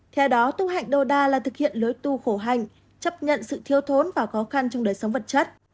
theo đó tu hạnh đồ đà là thực hiện lối tu khổ hạnh chấp nhận sự thiếu thốn và khó khăn trong đời sống vật chất